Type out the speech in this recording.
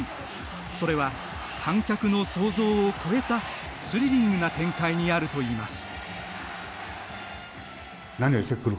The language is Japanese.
それは観客の想像を超えたスリリングな展開にあるといいます。